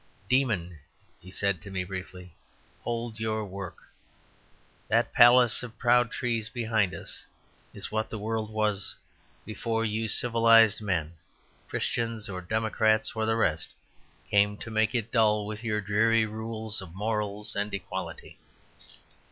"Demon," he said to me briefly, "behold your work. That palace of proud trees behind us is what the world was before you civilized men, Christians or democrats or the rest, came to make it dull with your dreary rules of morals and equality.